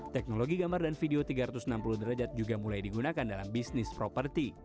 teknologi gambar dan video tiga ratus enam puluh derajat juga mulai digunakan dalam bisnis properti